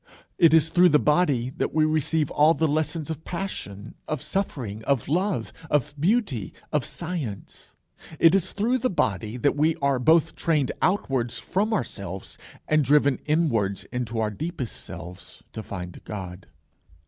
It is through the body that we receive all the lessons of passion, of suffering, of love, of beauty, of science. It is through the body that we are both trained outwards from ourselves, and driven inwards into our deepest selves to find God.